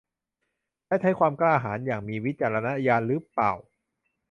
และใช้ความกล้าหาญอย่างมีวิจารณญาณหรือเปล่า